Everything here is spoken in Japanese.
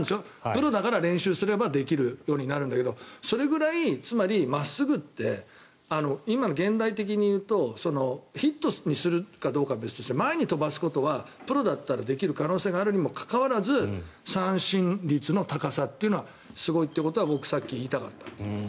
プロだから練習すればできるようになるんだけどそれぐらい、真っすぐって今の現代的に言うとヒットにするかどうかは別にして前に飛ばすことはプロだったらできる可能性があるにもかかわらず三振率の高さというのはすごいということは僕、さっき言いたかった。